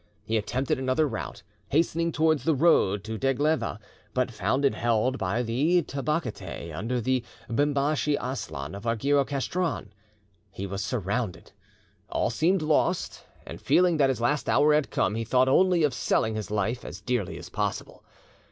He attempted another route, hastening towards the road to Dgeleva, but found it held by the Tapagetae under the Bimbashi Aslon of Argyro Castron. He was surrounded, all seemed lost, and feeling that his last hour had come, he thought only of selling his life as dearly as possible.